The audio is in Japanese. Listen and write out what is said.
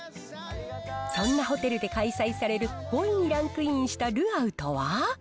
そんなホテルで開催される、５位にランクインしたルアウとは。